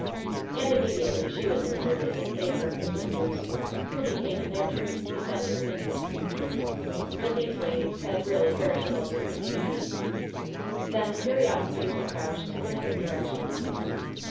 And immediately she was deserted in favor of the sisters, who became, in their turn, the center of interest. But these ladies had really very little to communicate. Then the curiosity of the crowd took another direction.